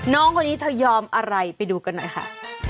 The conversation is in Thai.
น้องคนนี้เธอยอมอะไรไปดูกันหน่อยค่ะ